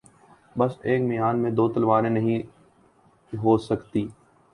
بس ایک میان میں دو تلواریں نہیں ہوسکتیں